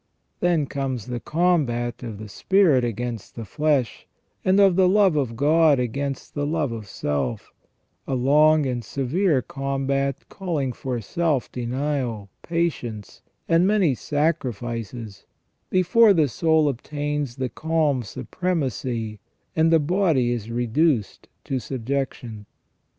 Then comes the combat of the spirit against the flesh, and of the love of God against the love of self, a long and severe combat calling for self denial, patience, and many sacrifices before the soul obtains the calm supremacy and the body is reduced to subjection.